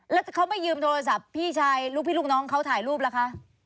แล้วเขาไม่ยืมโทรศัพท์พี่ชายลูกพี่ลูกน้องเขาถ่ายรูปล่ะคะ